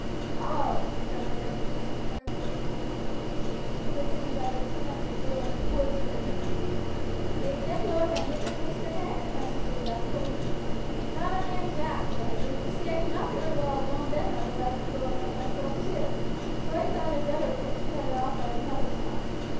"Oh!" Charlie said in a disappointed voice, for this seemed rather tame after the thrilling reports he had heard. "Then you didn't blow up any of 'em, Maister Ned," Abijah said doubtfully. "Not a man jack, Abijah. You see I could not very well have blown them up without going up myself too, so I thought it better to put it off for another time."